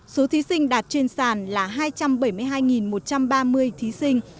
số thí sinh đạt trên sàn là hai trăm bảy mươi hai một trăm ba mươi thí sinh